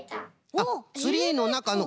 あっツリーのなかの。